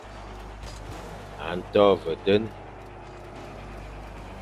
A nto ve den.